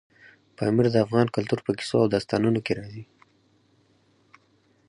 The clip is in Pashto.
پامیر د افغان کلتور په کیسو او داستانونو کې راځي.